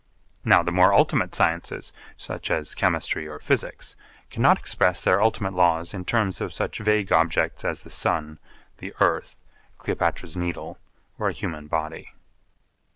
Now the more ultimate sciences such as Chemistry or Physics cannot express their ultimate laws in terms of such vague objects as the sun, the earth, Cleopatra's Needle, or a human body.